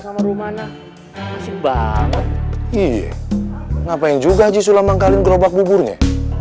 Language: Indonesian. sama rumahnya banget ngapain juga haji sulam angkali gerobak buburnya